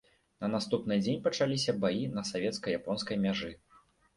На наступны дзень пачаліся баі на савецка-японскай мяжы.